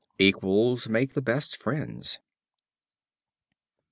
Equals make the best friends.